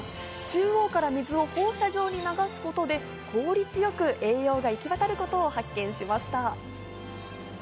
中央から水を放射状に流すことで効率よく栄養が行き渡ることを発見しました。